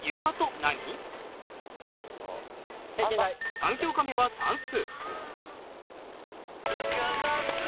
３教科目は算数。